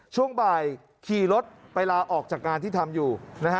ช่วงบ่ายขี่รถไปลาออกจากงานที่ทำอยู่นะฮะ